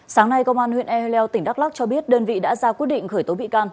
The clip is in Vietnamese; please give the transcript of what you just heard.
sáng nay công an huyện ehleu tỉnh đắk lắc cho biết đơn vị đã ra quyết định khởi tố bị can